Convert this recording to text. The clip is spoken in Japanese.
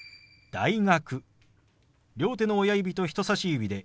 「大学」。